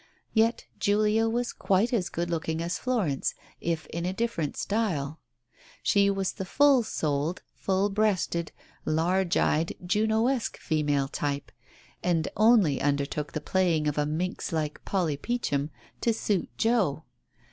Yet Julia was quite as good looking as Florence, if in a different style. She was the full souled, full breasted, large eyed Junoesque female type, and only undertook the playing of a minx like Polly Peachum to suit Joe.